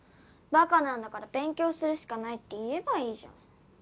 バカなんだから勉強するしかないって言えばいいじゃん。